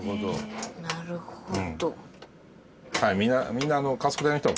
みんな。